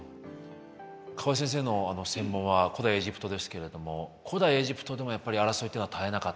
河江先生の専門は古代エジプトですけれども古代エジプトでもやっぱり争いっていうのは絶えなかったんですかね。